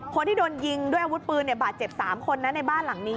คนที่โดนยิงด้วยอาวุธปืนบาดเจ็บ๓คนนะในบ้านหลังนี้